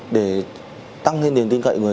để tăng thêm niềm tin cậy